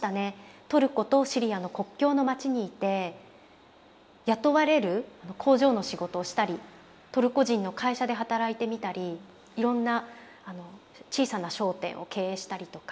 トルコとシリアの国境の町にいて雇われる工場の仕事をしたりトルコ人の会社で働いてみたりいろんな小さな商店を経営したりとか。